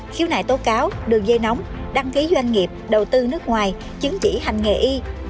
khiếu nại tố cáo đường dây nóng đăng ký doanh nghiệp đầu tư nước ngoài chứng chỉ hành nghề y